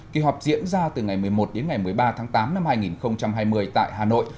kỳ họp diễn ra từ ngày một mươi một đến ngày một mươi ba tháng tám năm hai nghìn hai mươi tại hà nội